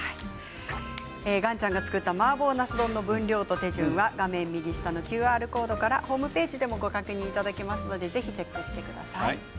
岩ちゃんが作ったマーボーなす丼の分量と手順は画面右下のＱＲコードからホームページでもご確認いただけますのでぜひチェックしてください。